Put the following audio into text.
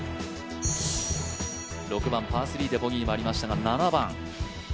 ６番パー３で、ボギーもありましたが、７番。